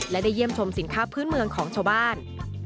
และได้เยี่ยมชมสินค้าพื้นเมืองของชาวบ้าน